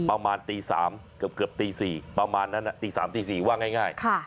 ประมาณตี๓เกือบตี๔ประมาณนั้นตี๓ตี๔ว่าง่าย